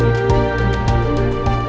saya antar ya